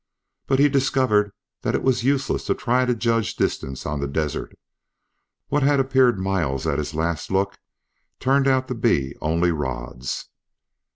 But he discovered that it was useless to try to judge distance on the desert. What had appeared miles at his last look turned out to be only rods.